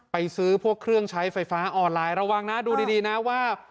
ไปซื้อพวกเครื่องใช้ไฟฟ้าออนไลน์ระวังนะดูดีนะว่า